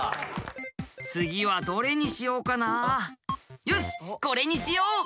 次はどれにしようかなよしこれにしよう！